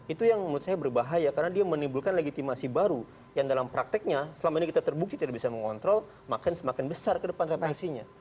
itu yang menurut saya berbahaya karena dia menimbulkan legitimasi baru yang dalam prakteknya selama ini kita terbukti tidak bisa mengontrol makin semakin besar ke depan revolusinya